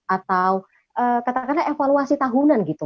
atau katakanlah evaluasi tahunan gitu